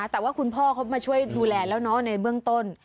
แต่ว่าคุณพ่อเขามาช่วยดูแลแล้วเนอะในเบื้องต้น